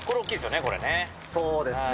そうですね。